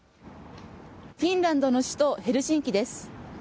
フィンランドの首都ヘルシンキです。